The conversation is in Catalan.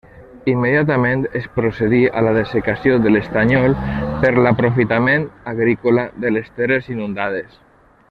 Immediatament es procedí a la dessecació de l'estanyol per l'aprofitament agrícola de les terres inundades.